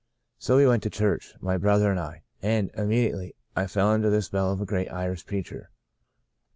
So we went to church, my brother and I, and, immediately, I fell under the spell of a great Irish preacher.